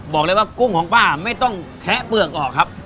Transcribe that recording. บอกเลยว่ากุ้งของป้าไม่ต้องแคะเปลืองออกครับ